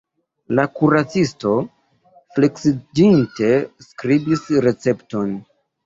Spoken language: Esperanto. La kuracisto fleksiĝinte skribis recepton.